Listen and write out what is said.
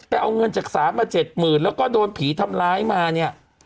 เอาเงินจากศาลมาเจ็ดหมื่นแล้วก็โดนผีทำร้ายมาเนี่ย